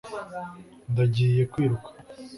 Ndagiye kwiruka